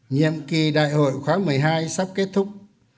nhiệm kỳ đại hội khóa một mươi hai sắp kết thúc